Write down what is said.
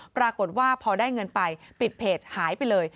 ปรากฏว่าพอได้เงินไปปิดเพจหายไปเลย